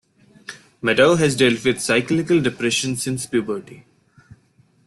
Maddow has dealt with cyclical depression since puberty.